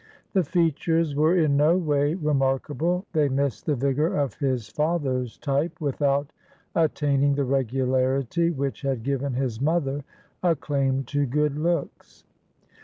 The features were in no way remarkable; they missed the vigour of his father's type without attaining the regularity which had given his mother a claim to good looks.